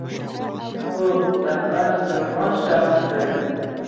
هو، سفر زما شوق دی